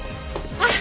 あっ！